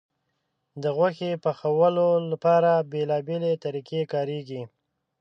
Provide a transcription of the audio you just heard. د غوښې پخولو لپاره بیلابیلې طریقې کارېږي.